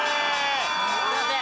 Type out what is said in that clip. すいません。